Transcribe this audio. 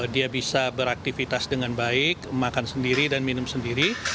dia bisa beraktivitas dengan baik makan sendiri dan minum sendiri